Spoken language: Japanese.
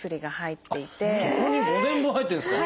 そこに５年分入ってるんですか！？